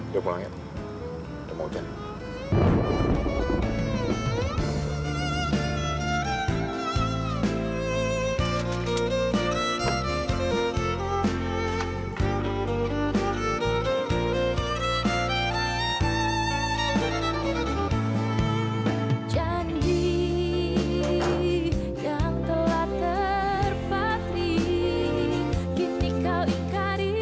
yuk pulang ya udah mau hujan